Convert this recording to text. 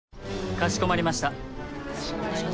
かしこまりました。